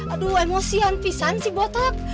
aduh emosian pisang sih botak